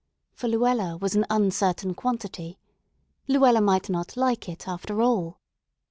For Luella was an uncertain quantity. Luella might not like it, after all!